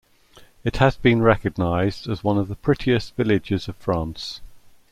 It has been recognized as one of the prettiest villages of France.